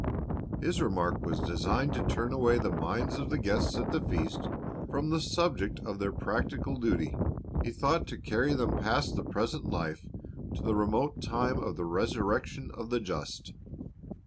His remark was designed to turn away the minds of the guests at the feast from the subject of their practical duty. He thought to carry them past the present life to the remote time of the resurrection of the just.